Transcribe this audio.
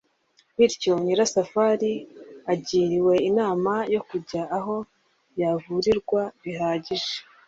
bityo nyirasafari agiriwe inama yo kujya aho yavurirwa bihagije,